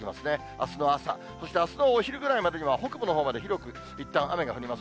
あすの朝、そしてあすのお昼ぐらいまでには、北部のほうまで広く、いったん雨が降ります。